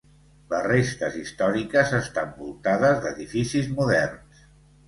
Les restes històriques estan voltades d'edificis moderns.